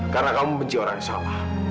karena kamu benci orang yang salah